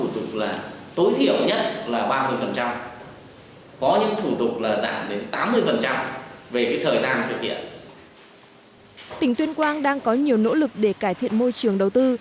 tỉnh tuyên quang đang có nhiều nỗ lực để cải thiện môi trường đầu tư